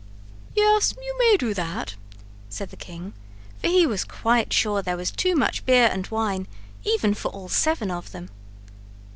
"Yes, you may do that," said the king, for he was quite sure there was too much beer and wine even for all seven of them.